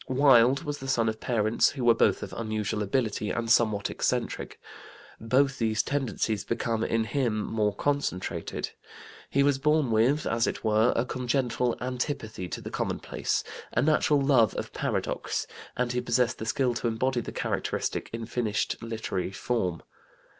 Wilde was the son of parents who were both of unusual ability and somewhat eccentric. Both these tendencies became in him more concentrated. He was born with, as it were, a congenital antipathy to the commonplace, a natural love of paradox, and he possessed the skill to embody the characteristic in finished literary form.